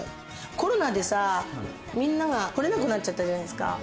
コロナでさ、みんなが来れなくなっちゃったじゃないですか。